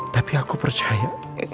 tapi aku percaya